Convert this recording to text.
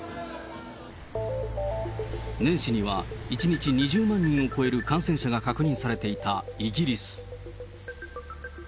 年始には１日２０万人を超える感染者が確認されていたイギリス。